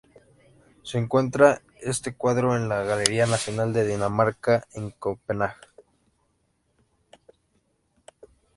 Se encuentra este cuadro en la Galería Nacional de Dinamarca de Copenhague.